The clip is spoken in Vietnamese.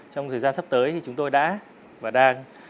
trong thời gian sắp tới thì chúng tôi đã và đang